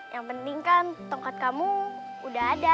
yang penting kan tongkat kamu udah ada